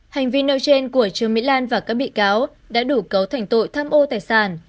hành vi nêu trên của trương mỹ lan và các bị cáo đã đủ cấu thành tội tham ô tài sản